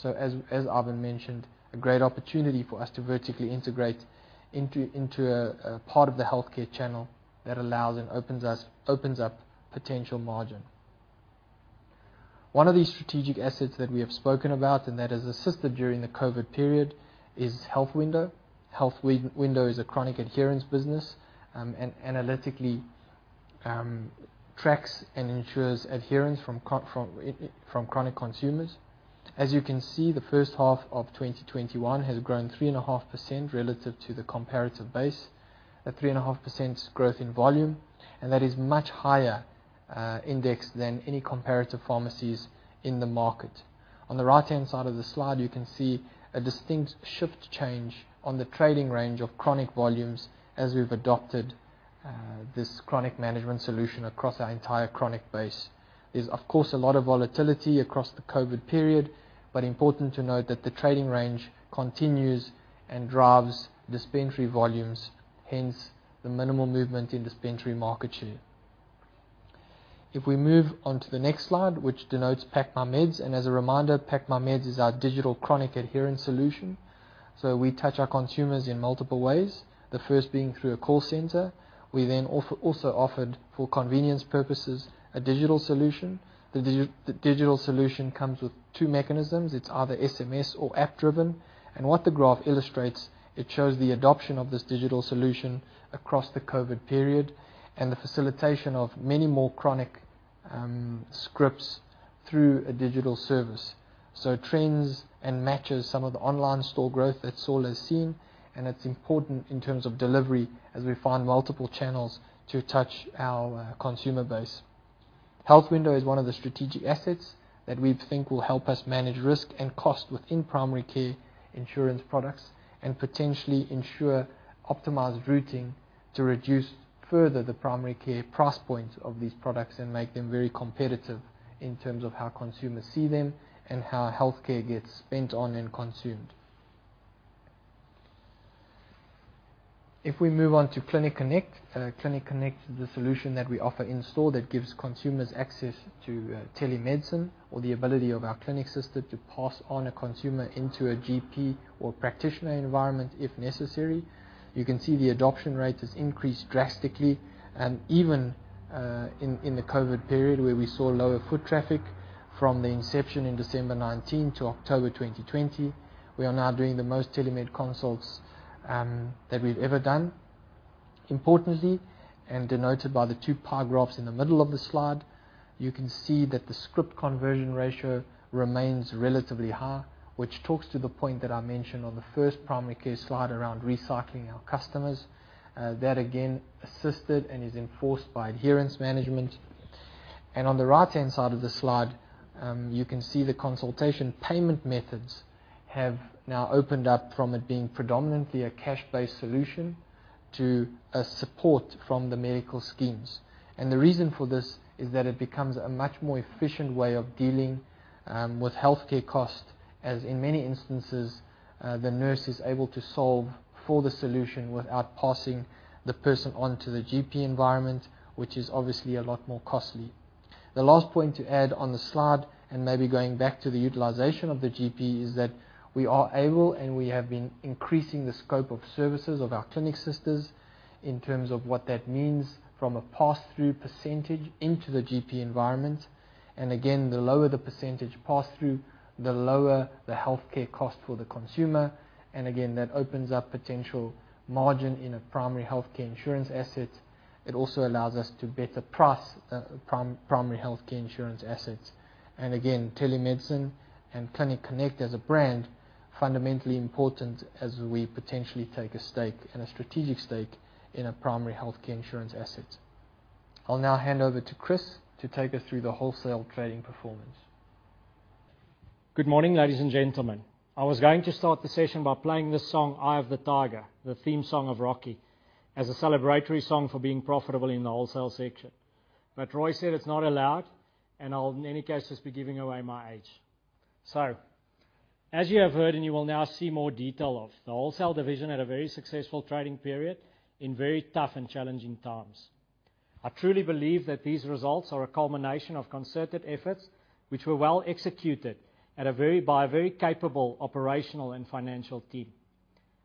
Speaker 2: As Ivan mentioned, a great opportunity for us to vertically integrate into a part of the healthcare channel that allows and opens up potential margin. One of these strategic assets that we have spoken about and that has assisted during the COVID period is Health Window. Health Window is a chronic adherence business, and analytically tracks and ensures adherence from chronic consumers. As you can see, the first half of 2021 has grown 3.5% relative to the comparative base, a 3.5% growth in volume, and that is much higher index than any comparative pharmacies in the market. On the right-hand side of the slide, you can see a distinct shift change on the trading range of chronic volumes as we've adopted this chronic management solution across our entire chronic base. There's, of course, a lot of volatility across the COVID period, but important to note that the trading range continues and drives dispensary volumes, hence the minimal movement in dispensary market share. We move on to the next slide, which denotes PackMyMeds, and as a reminder, PackMyMeds is our digital chronic adherence solution. We touch our consumers in multiple ways, the first being through a call center. We then also offered, for convenience purposes, a digital solution. The digital solution comes with two mechanisms. It's either SMS or app driven. What the graph illustrates, it shows the adoption of this digital solution across the COVID period and the facilitation of many more chronic scripts through a digital service. It trends and matches some of the online store growth that Saul has seen, and it's important in terms of delivery as we find multiple channels to touch our consumer base. Health Window is one of the strategic assets that we think will help us manage risk and cost within primary care insurance products and potentially ensure optimized routing to reduce further the primary care price points of these products and make them very competitive in terms of how consumers see them and how healthcare gets spent on and consumed. If we move on to Clinic Connect, Clinic Connect is the solution that we offer in store that gives consumers access to telemedicine or the ability of our clinic sister to pass on a consumer into a GP or practitioner environment if necessary. You can see the adoption rate has increased drastically, even in the COVID period where we saw lower foot traffic from the inception in December 2019 to October 2020. We are now doing the most telemed consults that we've ever done. Importantly, denoted by the two pie graphs in the middle of the slide, you can see that the script conversion ratio remains relatively high, which talks to the point that I mentioned on the first primary care slide around recycling our customers. That again assisted and is enforced by adherence management. On the right-hand side of the slide, you can see the consultation payment methods have now opened up from it being predominantly a cash-based solution to a support from the medical schemes. The reason for this is that it becomes a much more efficient way of dealing with healthcare costs, as in many instances, the nurse is able to solve for the solution without passing the person on to the GP environment, which is obviously a lot more costly. The last point to add on the slide, and maybe going back to the utilization of the GP, is that we are able and we have been increasing the scope of services of our Clinic Sisters in terms of what that means from a pass-through percentage into the GP environment. Again, the lower the percentage pass-through, the lower the healthcare cost for the consumer. Again, that opens up potential margin in a primary healthcare insurance asset. It also allows us to better price primary healthcare insurance assets. Again, telemedicine and Clinic Connect as a brand, fundamentally important as we potentially take a strategic stake in a primary healthcare insurance asset. I will now hand over to Chris to take us through the wholesale trading performance.
Speaker 3: Good morning, ladies and gentlemen. I was going to start the session by playing the song "Eye of the Tiger," the theme song of "Rocky," as a celebratory song for being profitable in the wholesale section. Rui said it's not allowed, and I'll in any case just be giving away my age. As you have heard and you will now see more detail of, the wholesale division had a very successful trading period in very tough and challenging times. I truly believe that these results are a culmination of concerted efforts, which were well executed by a very capable operational and financial team.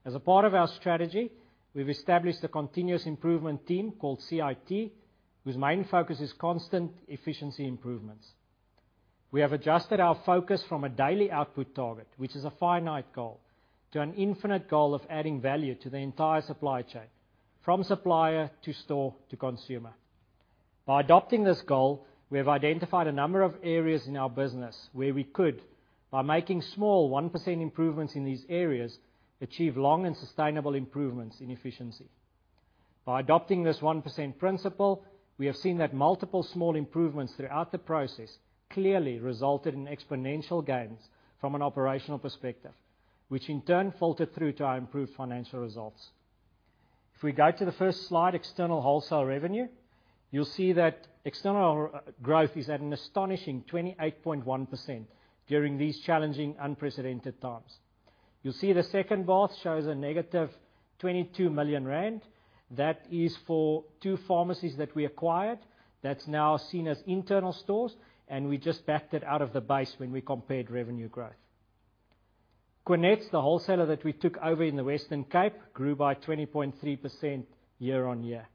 Speaker 3: As a part of our strategy, we've established a continuous improvement team called CIT, whose main focus is constant efficiency improvements. We have adjusted our focus from a daily output target, which is a finite goal, to an infinite goal of adding value to the entire supply chain, from supplier to store to consumer. By adopting this goal, we have identified a number of areas in our business where we could, by making small 1% improvements in these areas, achieve long and sustainable improvements in efficiency. By adopting this 1% principle, we have seen that multiple small improvements throughout the process clearly resulted in exponential gains from an operational perspective, which in turn filtered through to our improved financial results. If we go to the first slide, external wholesale revenue, you'll see that external growth is at an astonishing 28.1% during these challenging, unprecedented times. You'll see the second bar shows a -22 million rand. That is for two pharmacies that we acquired that's now seen as internal stores, we just backed it out of the base when we compared revenue growth. Quenets, the wholesaler that we took over in the Western Cape, grew by 20.3% year-on-year.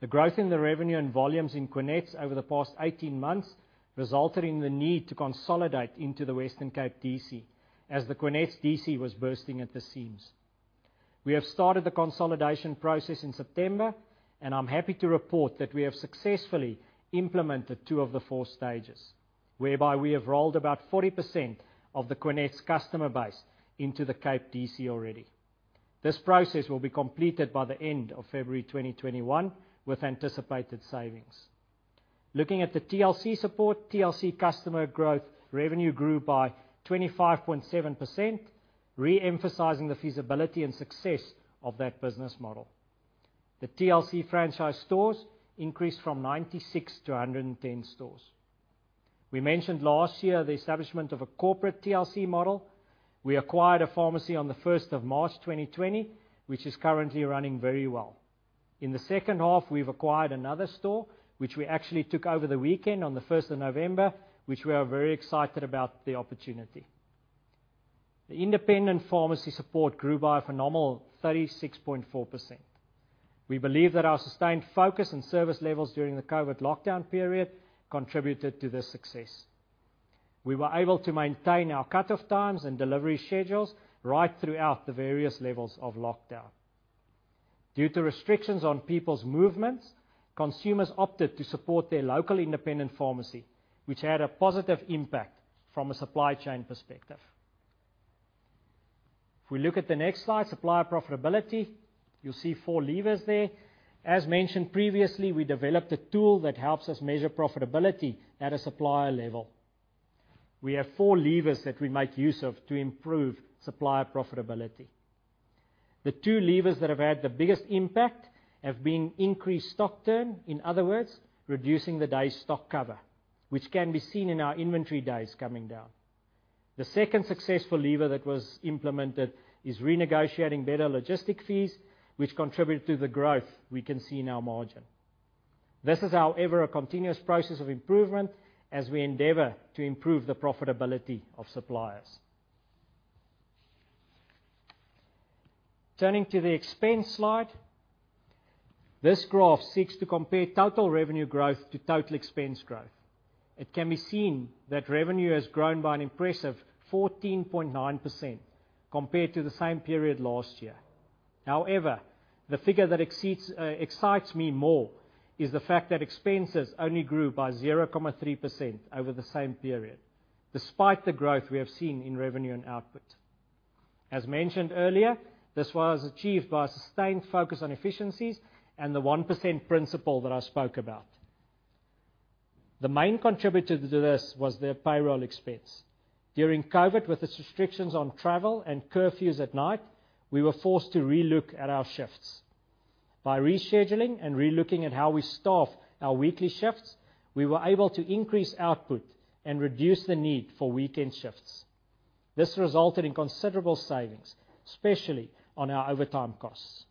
Speaker 3: The growth in the revenue and volumes in Quenets over the past 18 months resulted in the need to consolidate into the Western Cape DC as the Quenets DC was bursting at the seams. We have started the consolidation process in September, I'm happy to report that we have successfully implemented two of the four stages, whereby we have rolled about 40% of the Quenets customer base into the Cape DC already. This process will be completed by the end of February 2021 with anticipated savings. Looking at the TLC support, TLC customer growth revenue grew by 25.7%, re-emphasizing the feasibility and success of that business model. The TLC franchise stores increased from 96-110 stores. We mentioned last year the establishment of a corporate TLC model, we acquired a pharmacy on the 1st March, 2020, which is currently running very well. In the second half, we've acquired another store, which we actually took over the weekend on the 1st November, which we are very excited about the opportunity. The independent pharmacy support grew by a phenomenal 36.4%. We believe that our sustained focus and service levels during the COVID lockdown period contributed to this success. We were able to maintain our cutoff times and delivery schedules right throughout the various levels of lockdown. Due to restrictions on people's movements, consumers opted to support their local independent pharmacy, which had a positive impact from a supply chain perspective. If we look at the next slide, supplier profitability, you'll see four levers there. As mentioned previously, we developed a tool that helps us measure profitability at a supplier level. We have four levers that we make use of to improve supplier profitability. The two levers that have had the biggest impact have been increased stock turn, in other words, reducing the day stock cover, which can be seen in our inventory days coming down. The second successful lever that was implemented is renegotiating better logistic fees, which contributed to the growth we can see in our margin. This is, however, a continuous process of improvement as we endeavor to improve the profitability of suppliers. Turning to the expense slide, this graph seeks to compare total revenue growth to total expense growth. It can be seen that revenue has grown by an impressive 14.9% compared to the same period last year. However, the figure that excites me more is the fact that expenses only grew by 0.3% over the same period, despite the growth we have seen in revenue and output. As mentioned earlier, this was achieved by a sustained focus on efficiencies and the 1% principle that I spoke about. The main contributor to this was the payroll expense. During COVID, with its restrictions on travel and curfews at night, we were forced to re-look at our shifts. By rescheduling and re-looking at how we staff our weekly shifts, we were able to increase output and reduce the need for weekend shifts. This resulted in considerable savings, especially on our overtime costs.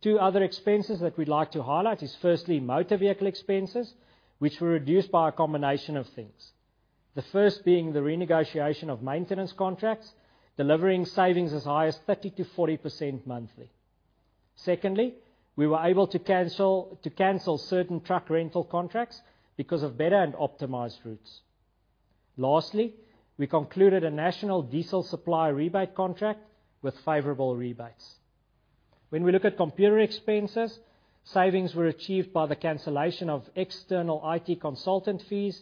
Speaker 3: Two other expenses that we'd like to highlight is firstly, motor vehicle expenses, which were reduced by a combination of things. The first being the renegotiation of maintenance contracts, delivering savings as high as 30%-40% monthly. Secondly, we were able to cancel certain truck rental contracts because of better and optimized routes. Lastly, we concluded a national diesel supply rebate contract with favorable rebates. When we look at computer expenses, savings were achieved by the cancellation of external IT consultant fees.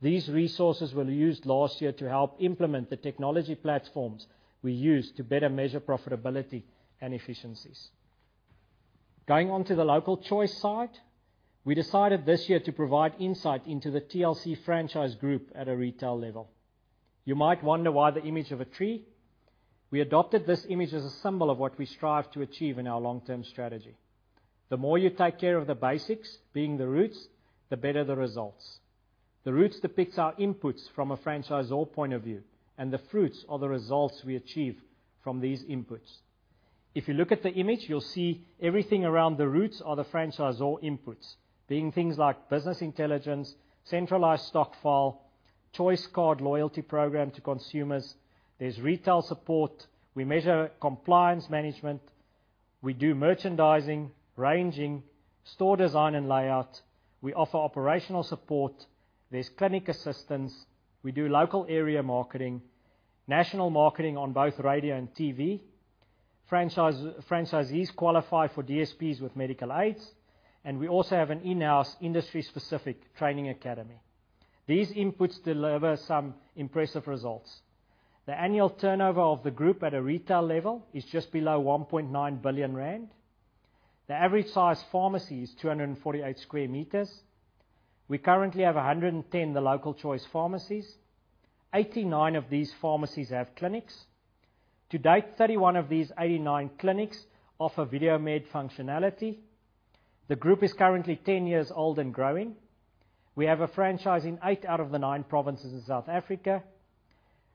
Speaker 3: These resources were used last year to help implement the technology platforms we use to better measure profitability and efficiencies. Going on to The Local Choice side, we decided this year to provide insight into the TLC franchise group at a retail level. You might wonder why the image of a tree. We adopted this image as a symbol of what we strive to achieve in our long-term strategy. The more you take care of the basics, being the roots, the better the results. The roots depicts our inputs from a franchisor point of view, and the fruits are the results we achieve from these inputs. If you look at the image, you'll see everything around the roots are the franchisor inputs, being things like business intelligence, centralized stock file, choice card loyalty program to consumers. There's retail support, we measure compliance management, we do merchandising, ranging, store design, and layout, we offer operational support. There's clinic assistance, we do local area marketing, national marketing on both radio and TV, franchisees qualify for DSPs with medical aids, and we also have an in-house industry-specific training academy. These inputs deliver some impressive results. The annual turnover of the group at a retail level is just below 1.9 billion rand. The average size pharmacy is 248 sq m. We currently have 110 The Local Choice pharmacies; 89 of these pharmacies have clinics, to date, 31 of these 89 clinics offerVideoMed functionality. The group is currently 10 years old and growing. We have a franchise in eight out of the nine provinces in South Africa.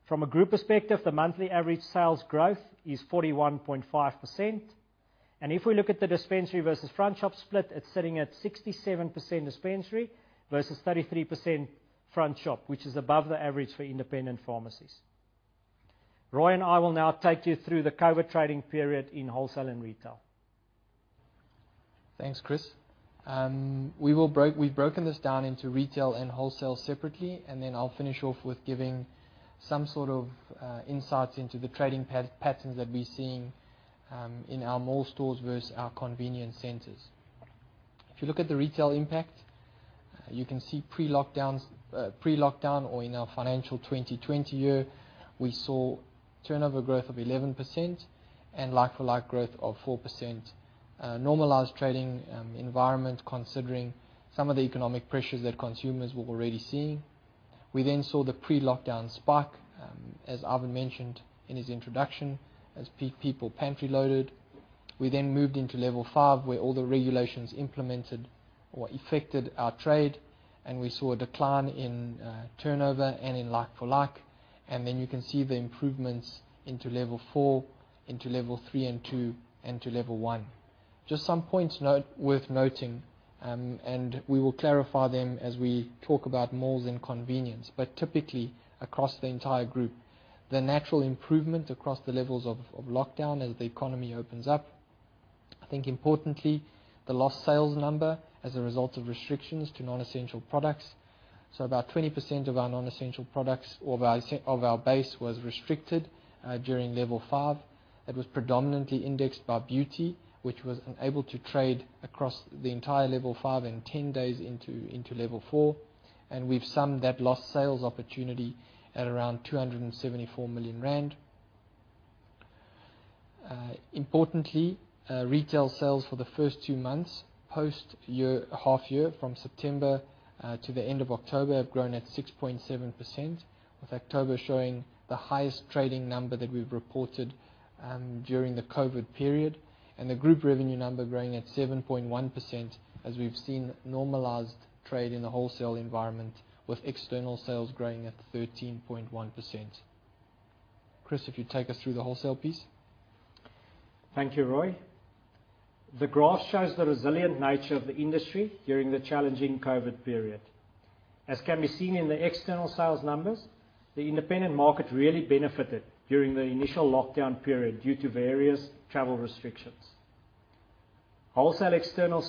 Speaker 3: From a group perspective, the monthly average sales growth is 41.5%. If we look at the dispensary versus front shop split, it's sitting at 67% dispensary versus 33% front shop, which is above the average for independent pharmacies. Rui and I will now take you through the COVID trading period in wholesale and retail.
Speaker 2: Thanks, Chris. We've broken this down into retail and wholesale separately, and then I'll finish off with giving some sort of insights into the trading patterns that we're seeing in our mall stores versus our convenience centers. If you look at the retail impact, you can see pre-lockdown or in our financial 2020 year, we saw turnover growth of 11% and like-for-like growth of 4%. Normalized trading environment, considering some of the economic pressures that consumers were already seeing. We then saw the pre-lockdown spike, as Ivan mentioned in his introduction, as people pantry loaded, we then moved into Level 5, where all the regulations implemented or affected our trade, and we saw a decline in turnover and in like-for-like. You can see the improvements into Level 4, into Level 3 and 2, and to Level 1. Just some points worth noting, and we will clarify them as we talk about malls and convenience. Typically, across the entire group, the natural improvement across the levels of lockdown as the economy opens up, I think importantly, the lost sales number as a result of restrictions to non-essential products. About 20% of our non-essential products of our base was restricted during Level 5. It was predominantly indexed by beauty, which was unable to trade across the entire Level 5 and 10 days into Level 4, and we've summed that lost sales opportunity at around 274 million rand. Importantly, retail sales for the first two months, post half year from September, to the end of October have grown at 6.7%, with October showing the highest trading number that we've reported, during the COVID period. The group revenue number growing at 7.1%, as we've seen normalized trade in the wholesale environment with external sales growing at 13.1%. Chris, if you take us through the wholesale piece.
Speaker 3: Thank you, Rui. The graph shows the resilient nature of the industry during the challenging COVID period. As can be seen in the external sales numbers, the independent market really benefited during the initial lockdown period due to various travel restrictions. Wholesale external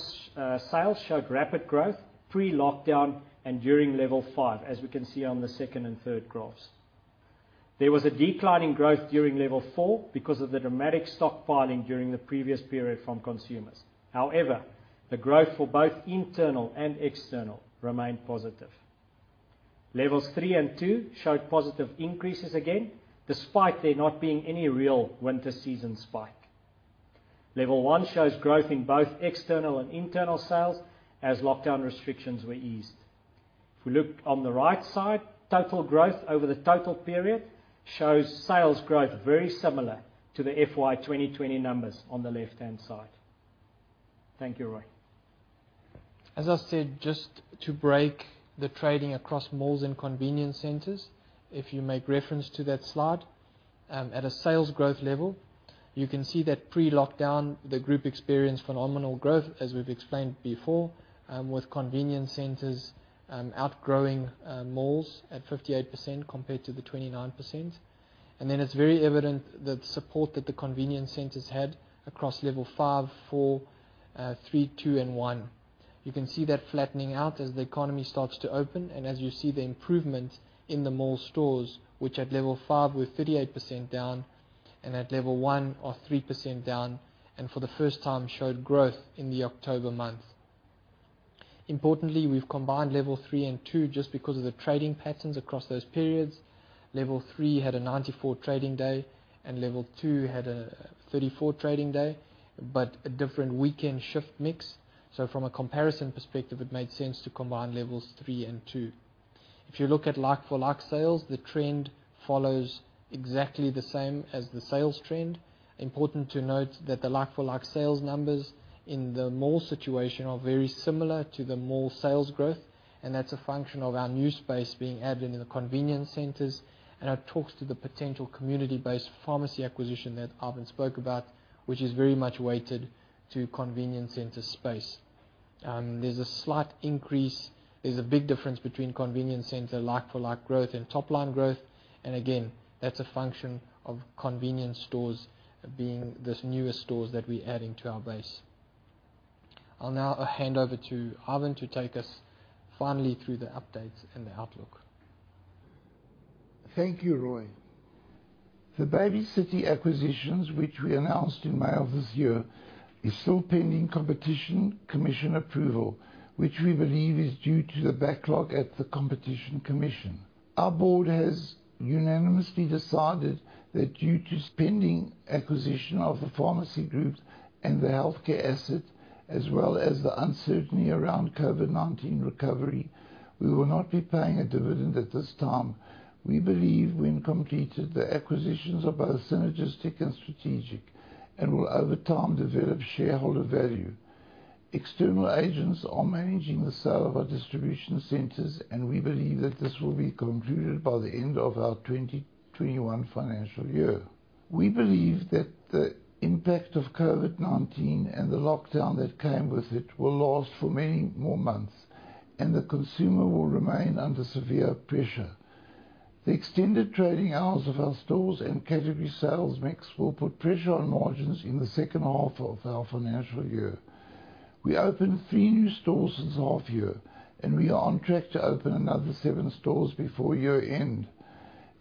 Speaker 3: sales showed rapid growth pre-lockdown and during Level 5, as we can see on the second and third graphs. There was a decline in growth during Level 4 because of the dramatic stockpiling during the previous period from consumers. However, the growth for both internal and external remained positive. Levels 3 and 2 showed positive increases again, despite there not being any real winter season spike. Level 1 shows growth in both external and internal sales as lockdown restrictions were eased. If we look on the right side, total growth over the total period shows sales growth very similar to the FY 2020 numbers on the left-hand side. Thank you, Rui.
Speaker 2: As I said, just to break the trading across malls and convenience centers, if you make reference to that slide. At a sales growth level, you can see that pre-lockdown the group experienced phenomenal growth, as we've explained before, with convenience centers outgrowing malls at 58% compared to the 29%. It's very evident the support that the convenience centers had across Level 5, 4, 3, 2, and 1. You can see that flattening out as the economy starts to open and as you see the improvement in the mall stores, which at Level 5 were 38% down and at Level 1 are 3% down, and for the first time showed growth in the October month. Importantly, we've combined Level 3 and 2 just because of the trading patterns across those periods. Level 3 had a 94 trading day and Level 2 had a 34 trading day, but a different weekend shift mix. From a comparison perspective, it made sense to combine Levels 3 and 2. If you look at like-for-like sales, the trend follows exactly the same as the sales trend. Important to note that the like-for-like sales numbers in the mall situation are very similar to the mall sales growth, and that's a function of our new space being added in the convenience centers. I had talked to the potential community-based pharmacy acquisition that Ivan spoke about, which is very much weighted to convenience center space. There's a big difference between convenience center like-for-like growth and top-line growth. Again, that's a function of convenience stores being these newer stores that we're adding to our base. I'll now hand over to Ivan to take us finally through the updates and the outlook.
Speaker 1: Thank you, Rui. The Baby City acquisitions, which we announced in May of this year, is still pending Competition Commission approval, which we believe is due to the backlog at the Competition Commission. Our board has unanimously decided that due to pending acquisition of the pharmacy groups and the healthcare asset, as well as the uncertainty around COVID-19 recovery, we will not be paying a dividend at this time. We believe, when completed, the acquisitions are both synergistic and strategic and will over time develop shareholder value. External agents are managing the sale of our distribution centers, and we believe that this will be concluded by the end of our 2021 financial year. We believe that the impact of COVID-19 and the lockdown that came with it will last for many more months and the consumer will remain under severe pressure. The extended trading hours of our stores and category sales mix will put pressure on margins in the second half of our financial year. We opened three new stores this half year, and we are on track to open another seven stores before year-end.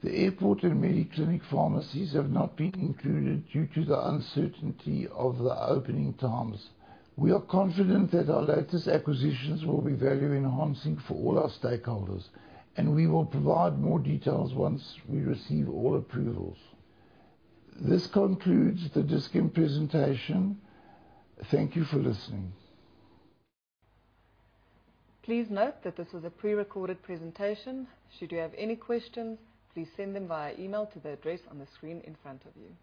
Speaker 1: The airport and Mediclinic pharmacies have not been included due to the uncertainty of the opening times. We are confident that our latest acquisitions will be value-enhancing for all our stakeholders, and we will provide more details once we receive all approvals. This concludes the Dis-Chem presentation. Thank you for listening.
Speaker 5: Please note that this was a prerecorded presentation. Should you have any questions, please send them via email to the address on the screen in front of you.